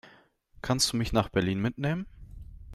Kannst du mich nach Berlin mitnehmen?